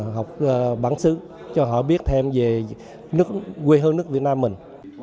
học bản xứ cho họ biết thêm về nước quê hương nước việt nam mình